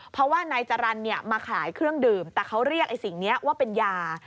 เพราะว่านายจรรย์มาขายเครื่องดื่มแต่เขาเรียกไอ้สิ่งนี้ว่าเป็นยา